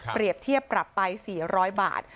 เปรียบเทียบปรับไป๔๐๐บาท